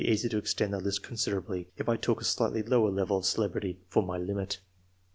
[cha easy to extend the Ikt considerably, if I too a slightly lower level of celebrity for m limit.